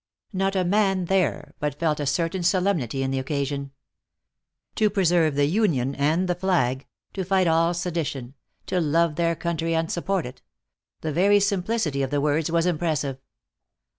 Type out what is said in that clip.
Not a man there but felt a certain solemnity in the occasion. To preserve the Union and the flag, to fight all sedition, to love their country and support it; the very simplicity of the words was impressive.